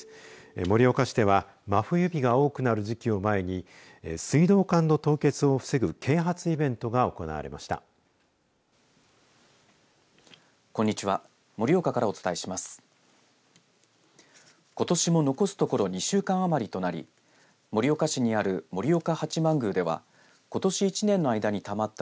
盛岡市では真冬日が多くなる時期を前に水道管の凍結を防ぐ啓発イベントが行われました。